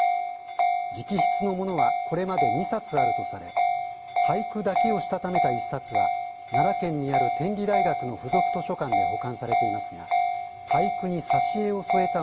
直筆ものはこれまで２冊あるとされ俳句だけをしたためた１冊は奈良県にある天理大学の附属図書館で保管されていますが俳句に挿絵を添えた